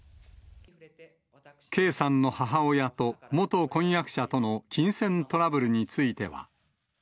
圭さんの母親と元婚約者との金銭トラブルについては。